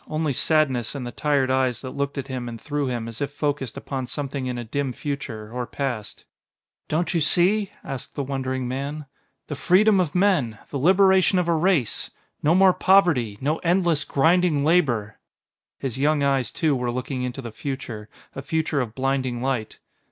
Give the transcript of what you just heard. Only sadness in the tired eyes that looked at him and through him as if focused upon something in a dim future or past. "Don't you see?" asked the wondering man. "The freedom of men the liberation of a race. No more poverty, no endless, grinding labor." His young eyes, too, were looking into the future, a future of blinding light.